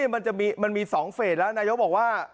มันจะมีมันมี๒เฟศแล้วนายก็บอกว่า